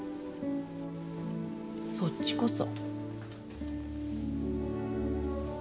そっちこそ。